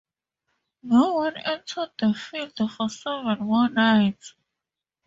No one entered the field for seven more nights.